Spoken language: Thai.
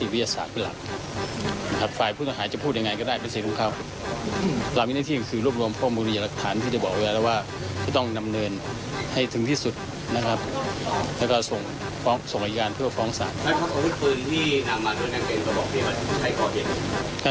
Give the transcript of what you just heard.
พี่สูตรฟังเสียงรองพอพอตรค่ะ